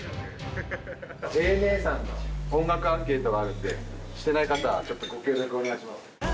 ＡＮＡさんの、音楽アンケートがあるんで、してない方はちょっとご協力をお願いします。